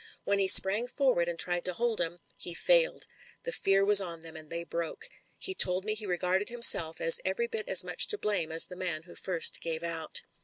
When he sprang for ward and tried to hold 'em, he failed. The fear was on them, and they broke. He told me he regarded himself as every bit as much to blame as the man who first gave out."